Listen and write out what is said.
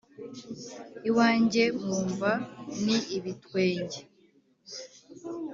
Iwanjye mwumva ni ibitwenge.